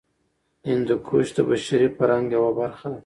هندوکش د بشري فرهنګ یوه برخه ده.